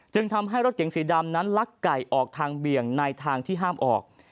จึงทำให้รถเก๋งสีดำนั้นลักไก่ออกทางเบี่ยงในทางที่ห้ามออก